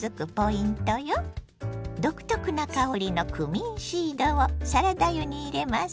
独特な香りのクミンシードをサラダ油に入れます。